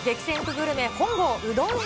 グルメ本郷、うどん編。